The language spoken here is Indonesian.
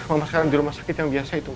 mama sekarang di rumah sakit yang biasa itu